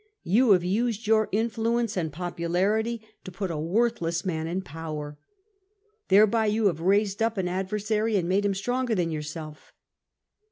You have used your influence and popularity to put a worth less man in power. Thereby you have raised up an adversary and made him stronger than yourself."